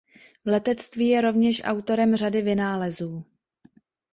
V letectví je rovněž autorem řady vynálezů.